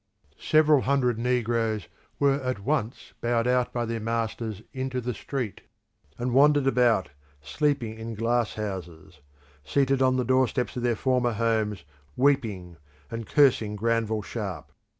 Several hundred negroes were at once bowed out by their masters into the street, and wandered about, sleeping in glass houses; seated on the door steps of their former homes, weeping, and cursing Granville Sharp.